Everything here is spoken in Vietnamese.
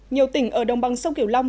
nhiều tỉnh ở đồng bằng sông kiều long